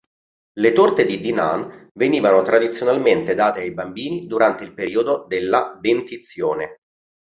Le torte di Dinant venivano tradizionalmente date ai bambini durante il periodo della dentizione.